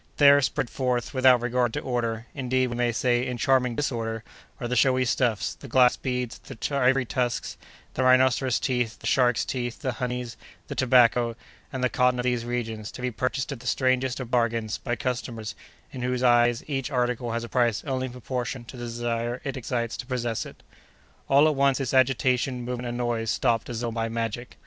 There, spread forth, without regard to order—indeed, we may say, in charming disorder—are the showy stuffs, the glass beads, the ivory tusks, the rhinoceros' teeth, the shark's teeth, the honey, the tobacco, and the cotton of these regions, to be purchased at the strangest of bargains by customers in whose eyes each article has a price only in proportion to the desire it excites to possess it. All at once this agitation, movement and noise stopped as though by magic.